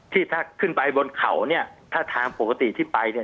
ที่ถ้าขึ้นไปบนเขาเนี่ยถ้าทางปกติที่ไปเนี่ย